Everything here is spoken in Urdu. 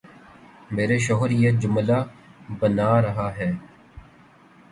میرے شوہر یہ جملہ بنا رہا ہے